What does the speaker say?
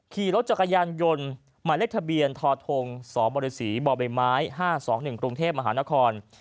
ขี่รถจักรยานยนต์หมายเลขทะเบียนททงสบศบใบไม้๕๒๑กรุงเทพมหานคร